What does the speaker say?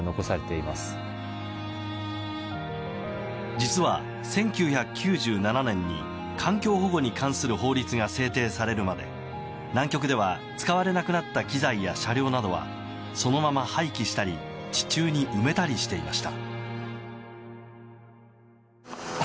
実は１９９７年に環境保護に関する法律が制定されるまで南極では使われなくなった機材や車両などはそのまま廃棄したり地中に埋めたりしていました。